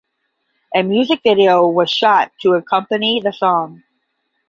A music video was shot to accompany the song.